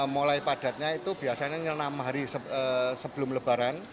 mulai padatnya itu biasanya enam hari sebelum lebaran